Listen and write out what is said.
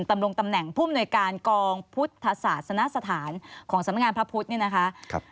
ดำรงตำแหน่งผู้อำนวยการกองพุทธศาสนสถานของสำนักงานพระพุทธเนี่ยนะคะ